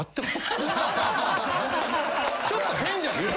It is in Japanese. ちょっと変じゃないっすか！？